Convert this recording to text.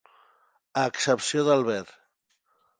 A excepció del Ver.